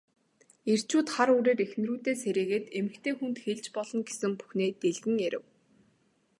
Эрчүүд хар үүрээр эхнэрүүдээ сэрээгээд эмэгтэй хүнд хэлж болно гэсэн бүхнээ дэлгэн ярив.